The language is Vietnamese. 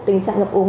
tình trạng ngập uống